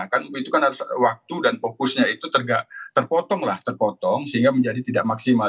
kan itu kan harus waktu dan fokusnya itu terpotong lah terpotong sehingga menjadi tidak maksimal